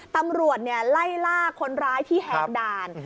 ตำรวจไล่ล่าคนร้ายที่แหกด่าน